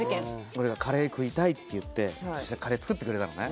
俺が「カレー食いたい」って言ってそしたらカレー作ってくれたのね